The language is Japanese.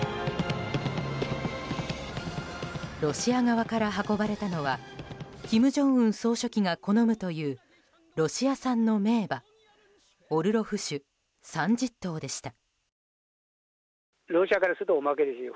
ロシア側から運ばれたのは金正恩総書記が好むというロシア産の名馬オルロフ種３０頭でした。